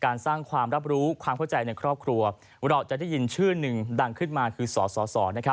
สร้างความรับรู้ความเข้าใจในครอบครัวเราจะได้ยินชื่อหนึ่งดังขึ้นมาคือสส